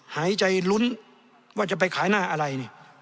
หายใจลุ้นว่าจะไปขายหน้าอะไรเนี่ย